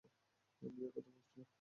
বিয়ের কথা ভাবছিলাম।